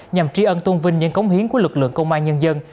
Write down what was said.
nhằm tri ân tôn vinh những cống hiến của lực lượng công an nhân dân